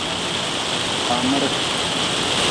Kpamere.